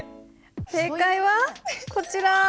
正解はこちら。